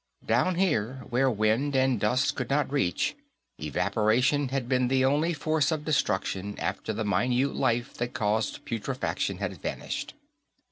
Down here, where wind and dust could not reach, evaporation had been the only force of destruction after the minute life that caused putrefaction had vanished.